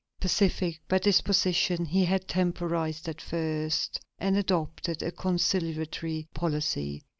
Pacific by disposition, he had temporized at first, and adopted a conciliatory policy.